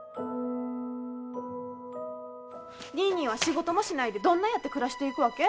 ニーニーは仕事もしないでどんなやって暮らしていくわけ？